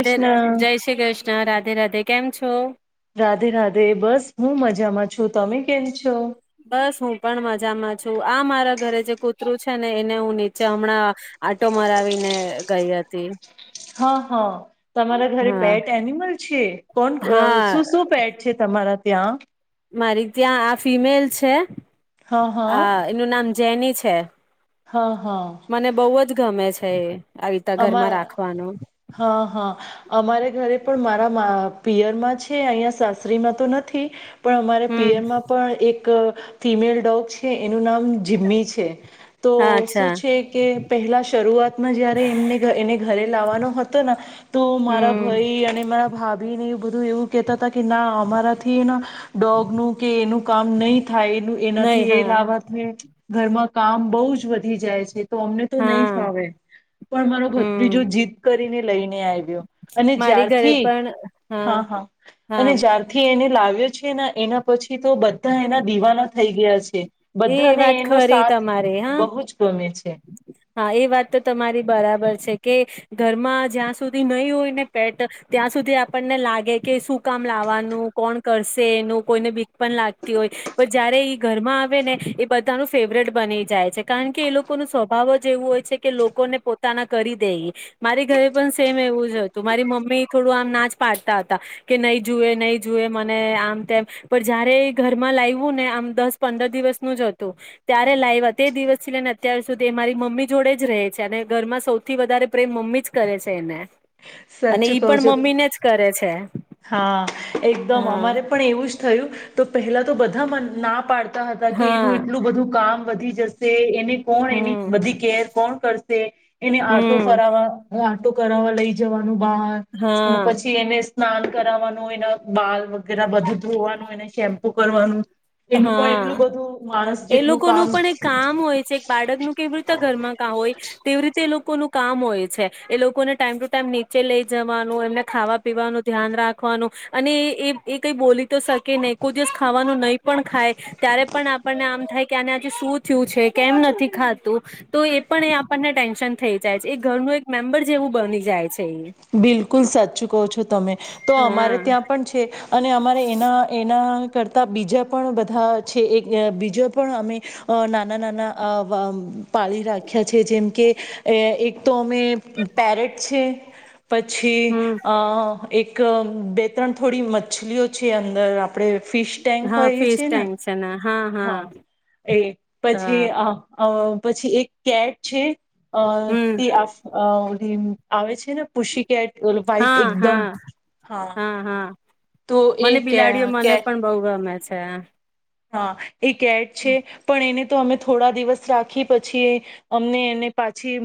કૃષ્ણ જય શ્રી કૃષ્ણ રાજધા. રાધે રાધે કેમ છો? રાધે રાધે બસ હું મજામાં છું તમે કેમ છો બસ હું પણ મજામાં છું આ મારા ઘરે જે કૂતરું છે ને એને હું નીચે હમણાં આટો મરાવીને ગઈ હતી હા હા તમારા ઘરે હા પેટ એનિમલ છે કોણ હા શું શું પેટ છે તમારા ત્યાં મારી ત્યાં આ ફિમેલ છે હા હા હ એનું નામ જેની છે હા મને બહુ જ ગમે છે છે [unintelligible] અમા હા હા અમારે ઘરે પણ મારા પિયર માં છે અહં સાસરીમાં તો નથી પણ અમારે હમ પિયરમાં પણ એક ફિમેલ ડોગ છે એનું નામ જીમ્મી છે તો શું અચ્છા છે કે પહેલા શરૂઆતમાં જયારે એમને એને ઘરે લાવવાનો હતો તો મારા હમ ભાઈ અને મારા ભાભી ને બધું એવું કેતા કે ના અમારાથી ડોગ નું કે એનું કામ નહી થાય એ નહી એનાથી એ હા લાવવાથી ઘરમાં કામ બઉુ જ વધી જાય છે તો અમને તો નહી હા ફાવે પણ મારો હમ ભત્રીજો જીત કરીને લઈન એ આઇ ગયો અને મારી ઘરે જ્યારથી પણ હા હા હા અને જ્યારથી એને લાગણી આવે છે એના પછી તો બધા એના દીવાના થઈ ગયા છે. એ બધાને વાત એનો ખરી સાથ તમારે હા બહુ જ ગમે છે. હા એ વાત તો તમારી બરાબર છે કે ઘરમાં જ્યાં સુધી નહી હોય ને પેટ ત્યાં સુધી આપણને લાગે કે શું કામ લાવવાનું કોણ કરશે એનું કોઈનેબી પણ લાગતી હોય પણ જયારે એ ઘરમાં છે ને એ બધાનું ફેવરેટ બની જાય છે કારણ કે એ લોકો લોકો ન સ્વભાવ જ એવું હોય છે કે લોકોને પોતાના કરી દે મારી ઘરે પણ સેમ એવું જ હતું મારી મમ્મી થોડું આમ નાચ પાડતા હતા કે નહી જુએ નહીં જુએ મને આમ તેમ પણ જયારે ઘરમાં લાવું ને આમ દસ પંદર દિવસનું જ હતું ત્યારે લાઈ તે દિવસ થી લઈને અત્યાર અત્યાર સુધી મારી મમ્મી જોડે જ રહે છે અને ઘરમાં સૌથી વધારે પ્રેમ મમ્મી જ કરે છે એને અને સાચું ઈ કહું પણ છું મમ્મી ને જ કરે છે હા એકદમ હા અમારે પણ એવું જ થયું. તો પહેલા તો બધા મન ના પાડતા હતા કે એનું હા એટલું બધું કામ વધી જશે એને કોણ એની હમ બધી કેર કોણ કરશે એને આટો હમ ફરવા કોણ તો કરાવા લઈ જવા બહાર અને હા પછી એને સ્નાન કરાવાનું એના બાલ વગેરે બધું ઘોવાનું એને શેમ્પુ કરવાનું. એનું પણ હા એટલું બધું માણસ એ જેટલું લોકોનું કામ પણ એક કામ હોય છે એક બાળકનું કેવી રીતે ઘરમાં કામ હોય તેવી રીતે એ લોકો ન કામ હોય છે એ લોકોને ટાઈમ ટુ ટાઈમ નીચે લઈ જવાનું એમને ખાવા પીવાનું ધ્યાન રાખવાનું અને એ કઈ બોલી તો શકે નહી કોઈ દિવસ ખાવાનું નહી. પણ ખાય ત્યારે પણ આપણને આમ થાય કે આ આજે શું થયું છે કેમ નથી ખાતું તો એ પણ એ આપણને ટેન્શન થઈ જાય છે એ ઘરનું એક મેમ્બર જેવું બની જાય છે. એ બિલકુલ સાચું કહો છો તમે તો હા અમારે ત્યાં પણ છે. અને અમારે એના એના કરતા બીજા પણ બધા છે એક બીજા પણ અમે નાના નાના પાળી રાખ્યા છે જેમ કે એક તો અમે પેરેટ છે. પછી હમ અ એક બે ત્રણ થોડી મછલીઓ છે અંદર આપ આપડણે ફિશ ટેન્ક હા હોઈએ ફીસ છીએ ને. ટેન્શન હા એ પછી હા આ અ પછી એક કેટ છે અ હમ તે આવે છે [unintelligible] પુશી કેટ વ્ઇટ હા એકદમ હા હા તો એ મને કે બિલાડીઓ મને કેટ પણ બઉ ગમે છે. [unintelligible] હા. એક કેટ છે પણ એને તો અમે થોડા દિવસ રાખી પછી અમને એને પાછી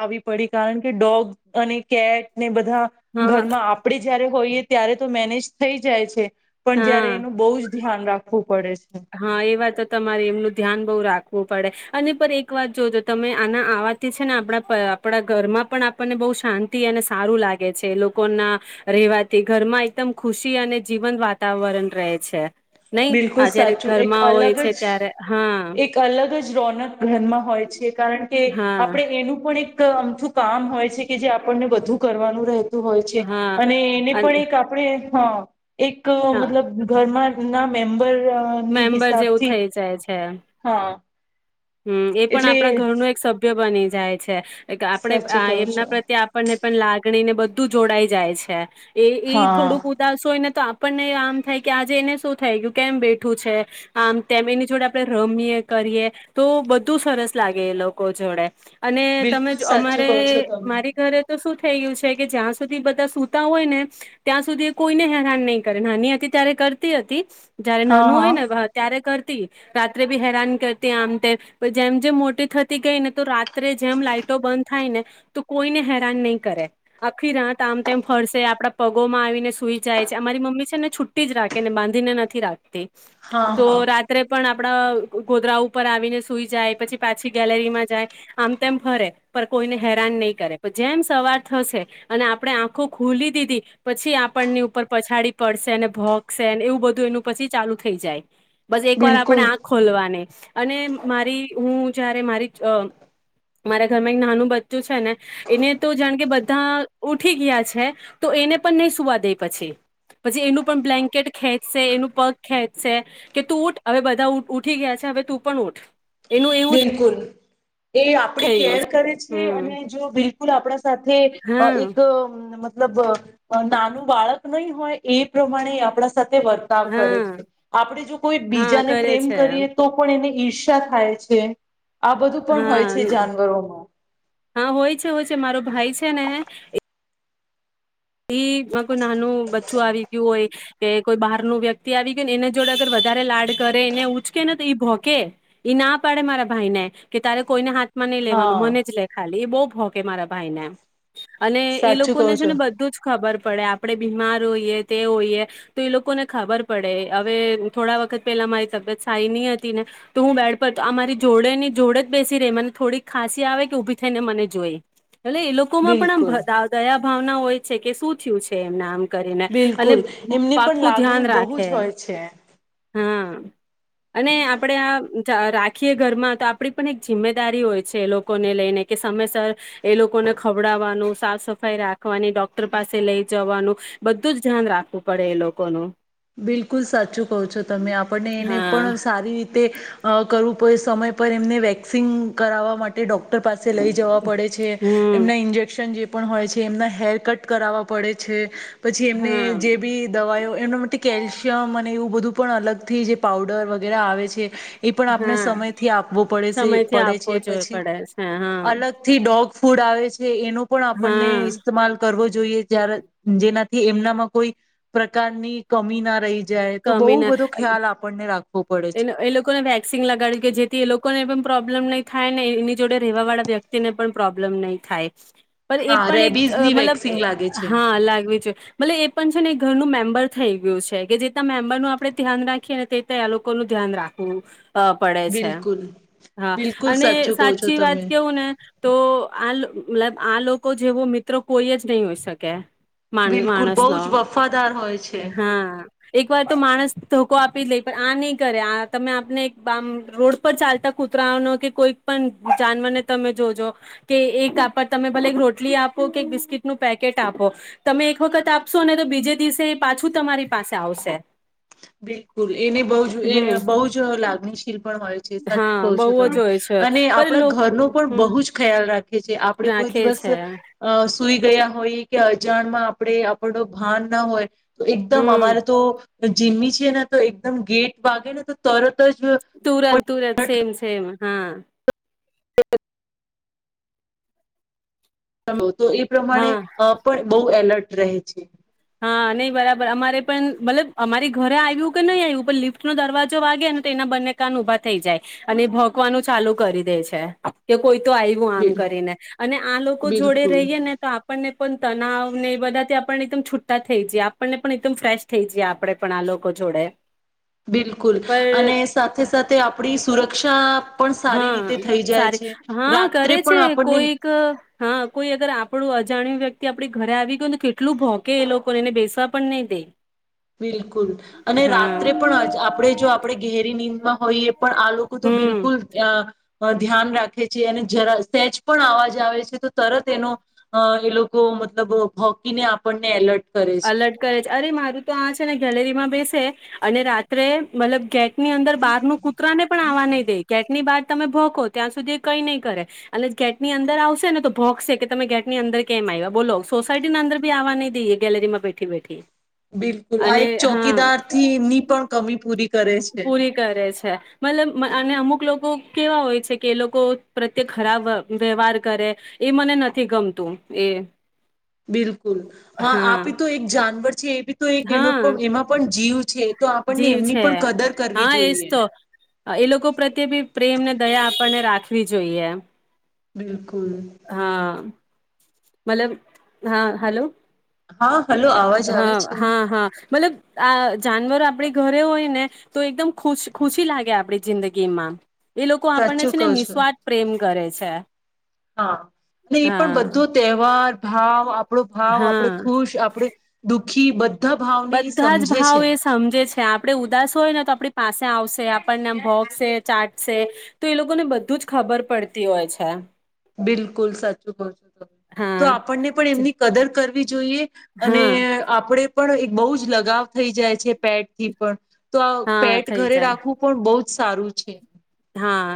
આવી પડી કારણ કે ડોગ અને કેટ ને બધ ધા હા ઘરમાં આપણે જયારે હોઈએ ત્યારે તો મેનેજ થઈ જાય છે. પણ જયારે હા એનું બહુ જ ધ્યાન રાખ હા એ વાત તમારે એમનું ધ્યાન બહુ રાખવું પડે અને પર એક વાર જોજો તમે આના આવાથી છે ને આપણા આપણા ઘરમાં પણ આપણને બહુ શાંતિ અને સારું લાગે છે. લોકોના રહેવાથી ઘરમાં એકદમ ખુશી અને જીવંત વાતાવરણ રહે છે. નહી બિલકુલ આ જ્યારે સાચું એક અલગ જ એક અલગ જ રોનક ઘરમાં હોય છે કારણ કે હા આપણે એનું પણ એક એક આમથું કામ હોય છે કે જે આપણને બધું કરવાનું રહે. હોય છે હા અને એને અન પણ એક આપણે હા. એક હા મતલબ ઘરમાં ના મેમ્બર મેમ્બર જેવું થઇ જાય છે. હા. હમ એ પણ એટલે આપણા ઘર ન એક સભ્ય બને જાય છે આપણે સાચું કહો એમના છો પ્રત્યે આપણને પણ લાગણી ને બધ તું જોડાઈ જાય છે. એ ઈ હા થોડુંક ઉદાસ હોય ને તો પણને એ આમ થાય કે આજે એને શું થાય ગયું કેમ બે ઠું છે. આમ તેમ એની જોડે આપડે રમીએ કરીએ તો બધું સરસ લાગે એ લોકો જોડે અને તમે બિલકુલ સાચું કહો છો અમારે તમે મારી ઘરે તો શું થઈ ગયું છે કે જ્યાં સુધી બધા સૂતા હોય ને ત્યાં સુધી કોઈને હેરાન નહીં કરે નાની હતી ત્યારે કરતી હતી હા નું હા હોય ને ત્યારે કર તી. રાત્રે બી હેરાન કરતી આમ તેમ. જેમ જેમ મોટી થતી ગઈ ને તો રાત્રે જેમ લાાઈટો બંધ થાય ને તો કોઈને હેરાન નહી કરે. આખી રાત આમ તેમ ફરસે આપડા પગોમાં આવીને સુઈ જાય છે. અમારી મમ્મી છે ને છુટ્ટી જ રાખે ને બાંધીને નથી રાખતી. હા તો હા રાત્રે પણ આપ આપડા ગોદડા ઉપર આવીને સુઈ જાય પછી પાછી ગેલેરીમાં જાય આમ તેમ ફરે પણ કોઈને હેરાન નહી કરે. પણ જેમ સવાર થશે અને આપણે આંખો ખુલી દીધી પછી આપણની ઉપર પછાડી પડશે ભોંકશે એવું બધું એનું પછી ચાલુ થઈ જાય. બસ એક વાર આપણે બિલકુલ આખ ખોલવાની અને મારી હું જયારે મારી અ મારા ઘરમાં એક નાનું બચ્ચું છે ને એને તો જાણ કે બધા ઉઠી ગયા છે તો એને પણ નહી સુવા દે પછી. પછી એનું પણ બ્લેન્કેટ ખેંચશે એનું પગ ખેંચશે કે તું ઉઠ હવે બધા ઉઠી ગયા છે હવે તું પણ ઉઠ એનું એવું બિલકુલ. એ આપડી થઈ ગયું કેર કરે છે હમ અને જો બિલકુ કુલ આપડા સાથે હા એક અ મતલબ નાનું બાળક નહી હોય એ પ્રમાણે આપણા સા થે વર્તાવ કરે હા છે. આપણે જો કોઈ હા બીજાને કરે પ્રેમ છે કરીએ તો પણ એને ઈર ઇર્ષા થાય છે. [unintelligible] પણ હોય હા છે જાનવરોમાં હા હોય છે હોય છે મારો ભાઈ નૈ એ [unintelligible] છું આવી ગયું હોય કે કોઈ બહાર ન વ્યક્તિ આવી ગયુંને એના જોડે અગર વધારે લાડ કરે એને ઉચકે ને તો ભોકે ના પાડે મારા ભાઈ ને કે તારે કોઈને હાથ મને લેવાનું હા મને જ લે ખાલી એ બહુ હોકે મારા ભાઈને અને એ સાચું લોકો કહો ને છે છો ને બધ ખબર પડે આપડણે બીમાર હોઈએ તે હોઈએ તો એ લોકોને ખબર પડે હવે થોડા વખત પેલા મારી તબિયત સારી નહી હતી ને તો હું બેડ પર આ મારી જોડે ની જોડે જ બેસી રહી મને થોડી ખાંસી આવે કે ઉભી થઈને મને જોઈ. એ એ લોકો માં પણ બિલકુલ આમ દા દયા ભાવ ના હોય છે કે શું થયું છે એમનામ કરીને અને બિલકુલ એમની પણ પાકું ધ્યાન લાગણી બહુ રાખે જ હોય છે હા અને આપણે આ ચ રાખીએ ઘરમાં તો આપડી પણ એક જિમ્મેદારી હોય છે એ લોકોને લઈને કે સમયસર એ લોકોને ખવડાવવાનું સાફ સફાઈ રાખવાની ડોક ટર પાસે લઈ જવાનું બધું જ ધ્યાન રાખવું પડે એ લોકોનું. બિલકુલ સાચું કહો છો તમે આપણને એને હા પણ સારી રીતે અ કરવું પે સમય પર એમને વેક્સિંગ કરાવવા માટે ડોક્ટર પાસે લઈ જવા પડે છે હમ એમના ઇન્જેક્શન જે પણ હોય છે એમના હેર કટ કરાવવા પડે છે. પછી એમને હા જે બી દવાયો એમના ટી કેલ્શિયમ અને એવું બધું પણ અલગથી જે પાઉડર વગેરે આવે છે. એ પણ આપને હા સમયથી આપવો પડે સે સમયથી પડે આપવો છે જોઈ પછી પડે છે હા અલગ થી ડોગ ફૂડ આવે છે. તે એનો પણ આપણને હા ઇસ્તેમાલ કરવો જોઈએ જ્યારે જેનાથી એમનામાં કોઈ પ્રકારની કમી ના રહી જાય તો બહુ કમી ના બધો ખ્યાલ આપણને રાખ એ લ એ લોકોને વેક્સિન લગાડ્યું કે જેથી એ લોકોને પણ પ્રોબ્ બ્લેમ નહી થાય ને એની જોડે રહેવા વાળા વ્યક્તિને પણ પ્રોબ્લેમ નહીં થાય. એ હા પણ એક રેબીઝની વેક્સિંગ લાગે મતલબ છે હા લાગવી જો મતલબ એ પણ છે ને ઘરનું મેમ્બર થઈ ગયું છે કે જે મેમ્બર નું આપડણે ધ્યાન રાખીએ ને તે તે આ લોકો નું ધ્યાન રાખવું. પડે છે બિલકુલ હા બિલકુલ અને સાચું કહો છો સાચી વાત તમે કેવું ને તો આલ મતલબ આ લોકો જેવો મિત્રો કોઈ જ નહી હોઈ શકે. માણ બિલકુલ બહુ જ માણસનો વફાદાર હોય છે. હા એક વાર તો માણસ ધોકો આપી જ લઈ પણ આની કરે આ તમે આપને બામ રોડ પર ચાલતા કૂતરાઓનો કે કોઈક પણ જાનવરને તમે જોજો, કે એક આપ તમે ભલે એક રોટલી આપો કે એક બિસ્કીટનું પેકેટ આપો, તમે એક વખત આપશો ને તો બીજે દિવસે પાછું તમારી પાસે આવશે. બિલકુલ. એને બહ જ હમ બહુ જ લાગણીશીલ પણ હોય છે સાચું હા કહ છો બહુ જ તમે, હોય છે અને પણ આપણા લોકો ઘરનો પણ હમ બહુ જ ખ્યાલ રાખે છે. આપણે કોઈ રાખે દિવસ છે સુઈ ગયા હોય કે અજાણમાં. આપડે આપણો ભાન ના હોય. તો એકદમ હમ અમારે તો એક [unintelligible] જીમી છીએ ને તો એકદમ ગેટ વાગે ને તો તરત જ તુરંત તુરંત સેમ સેમ હા [inaudible] હ [unintelligible] તો એ પ્રમાણે હા અ પણ બઉુ એલર્ટ રહે છે. હા અને નઇ [unintelligible] અમારે પણ મતલબ અમારી ઘરે આવ્યું કે નહી આવ્યું પણ લિફ્ટ નો દરવાજો વાગેને તે એના બંને કાન ઉભા થઈ જાય, અને ભોકવાનું ચાલુ કરી દે છે. કોઈ તો આવ્યું આમ બિલ કરીને, અને આ લોકો જોડે બિલકુલ રહીએ ને તો આપણને પણ તનાવ ને બધા આપ એકદમ છૂટ થઈ જ આપણને પણ એકદમ ફ્રેશ થઈ જ આપણેે પણ આ લોકો જોડે. બિલકુલ, પર અને સાથે સાથે આપડી સુરક. કક્ષા. હા સારી હા કરે રાત્રે છે પણ આપણને કોઈક હા કોઈ અગર આપણું અજાણ્યું વ્યક્તિ આપણી ઘરે આવી ગય તો કેટલું ભોકે એ લોકોને એને બેસવા પણ નહી દે. બિલકુલ, અને હા રાત્રે પણ આપણે જો આપણે ગહેરી નીંદમાં. હોઈએ પણ આ લોકો તો હમ બિલકુલ અ. પર ધ્યાન રાખે છે અને જરા સેચ પણ અવાજ આવે છે તો તરત એનો, અ એ લોકો મતલબ હોકીને આપણને એલર્ટ. કરે છે. અલર્ટ કરે છે અરે મારું તો આજ. ગેલેરીમાં બેસે, અને રાત્રે મતલબ ગેટ. ની અંદર બારનું કૂતરા ને પણ આવવા નહી દે ગેટની બહાર. તમે ભોકો ત્યાં સુધી કઈ નહીં કરે, અને ગેટની અંદર આવશે ને તો ભોકશે કે તમે ગેટ ની અંદર કેમ આવ્યા, બોલો સોસાયટી ના અંદર બી આવવા નહી દઈએ. ગેલેરીમાં બેઠી બેઠી. બિલકુલ આ અને એક હા ચોકીદાર થીની પણ કમી પૂરી. કરે છે. પૂરી કરે છે. મતલબ અને અમુક લોકો કેવા હોય છે કે એ લોકો પ્રત્યે ખરાબ વ્યવહાર કરે, એ મને નથી ગમતું એ. બિલકુલ હા આબી તો એક જાનવર એ બી તો એક એનો હા પણ એમાં પણ જીવ છે તો આપણને જીવ એમની છે પણ કદર કરવી હા એજ જોઈએ તો એ લોકો પ્રત્યે બી પ્રેમને દયા આપણને- રાખવી જોઈ એમ બિલકુલ. હા આ આ. મલમ હા હાલો. હા. હલો અવાજ આવે હા છે હા હા મતલબ. આ જાનવરો આપડી ઘરે હોય ને તો એકદમ ખુશ ખુશી લાગે આપડી જિંદગીમાં એ લોકો આપણને સાચું છે ને કહો છો નિઃસ્વાર્ પ્રેમ કરે છે. અચ્છા. હા અને એ પણ બધો તહેવાર ભાવ આપડો ભાવ હા આપડે ખુશ આપણેે દુખ છી ખીબદ બધા જ ભાવ એ સમજે છે આપડણેે ઉદાસો હોય ને તો આપણી પાસે આવશે.. આપણને ભોગ છે ચા્ટસે તો એ લોકોને બધું જ ખબર પડતી હોય છે. બિલકુલ સાચું કહ છો તમે તો હા આપણને પણ એમની કદર કરવી જોઈએ અને હા આપણેે પણ એક બહુ જ લગાવ થઈ જાય છે પેટથી પણ તો આ હા પેટ થઈ ઘરે જાય રાખવું પણ બઉ જ સારું છે. હા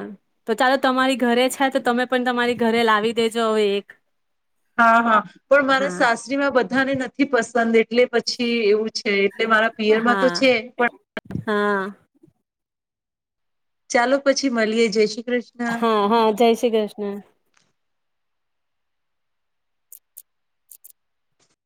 તો ચાલો તમારી ઘરે છે તો તમે પણ તમારી ઘરે લાવી દેજો હવે એક હા, હા પણ મારા હા સાસરીમાં બધાને નથી પસં દન એટલે પછી એવું છે. એટલે મારા પિયરમાં તો હા છે પણ હા ચાલો પછી મળીએ જઈશી હા, હા જય શ્રી કૃષ્ણ.